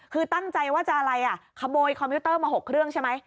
คือตั้งใจว่าจะอะไรอ่ะขโมยคอมพิวเตอร์มา๖เครื่องใช่ไหม